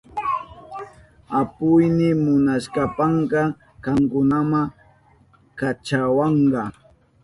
Apuyni munashpanka kankunama kachawanka.